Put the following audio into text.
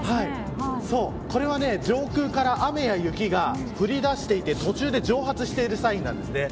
上空から雨や雪が降り出していて途中で蒸発しているサインです。